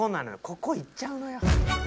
ここいっちゃうのよ。